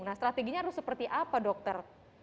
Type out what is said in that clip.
nah strateginya harus seperti apa dokter